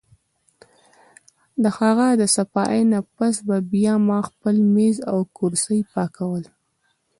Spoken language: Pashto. د هغه د صفائي نه پس به بیا ما خپل مېز او کرسۍ پاکول